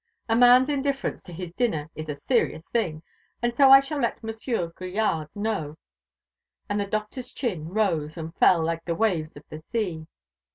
A man's indifference to his dinner is a serious thing, and so I shall let Monsieur Grillade know." And the Doctor's chin rose and fell like the waves of the sea.